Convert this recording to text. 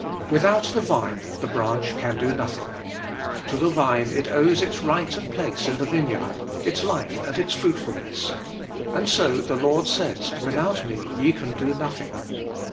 Without the vine the branch can do nothing. To the vine it owes its right of place in the vineyard, its life and its fruitfulness. And so the Lord says, 'Without me ye can do nothing.'